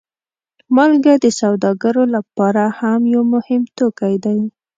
مالګه د سوداګرو لپاره هم یو مهم توکی دی.